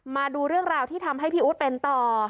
มาดูเรื่องราวที่ทำให้พี่อู๊ดเป็นต่อ